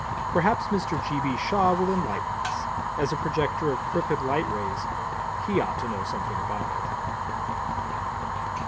Perhaps Mr. G. B. Shaw will enlighten us—as a projector of crooked light rays, he ought to know something about it.